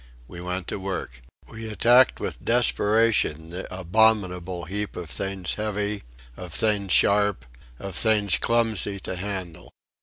We went to work. We attacked with desperation the abominable heap of things heavy, of things sharp, of things clumsy to handle.